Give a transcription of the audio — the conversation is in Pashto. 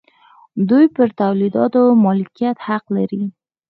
دوی پر تولیداتو مالکیت حق لري.